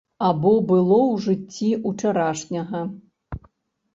Або было ў жыцці ўчарашняга.